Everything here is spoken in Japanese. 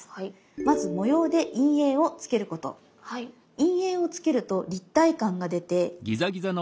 陰影をつけると立体感が出て。